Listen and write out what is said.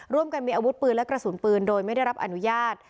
ร่วมกันมีอาวุธปืนและกระสุนปืนโดยไม่ได้รับอนุญาต